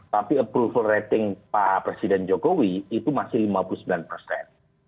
tapi approval rating pak presiden jokowi itu masih lima puluh sembilan persen